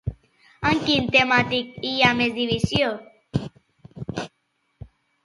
En quina temàtica hi ha més divisió?